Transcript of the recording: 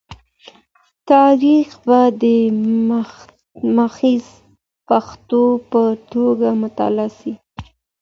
تاریخ باید د محض پېښو په توګه مطالعه سي.